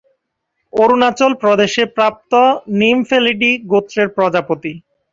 অরুণাচল প্রদেশে প্রাপ্ত নিমফ্যালিডি গোত্রের প্রজাপতি